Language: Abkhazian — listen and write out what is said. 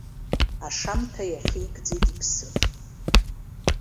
Ашамҭа иахьикӡеит иԥсы.